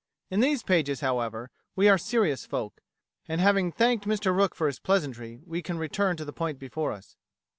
In these pages, however, we are serious folk, and having thanked Mr Rook for his pleasantry, we return to the point before us.